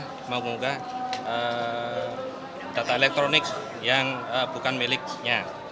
tindak pidana mengubah data elektronik yang bukan miliknya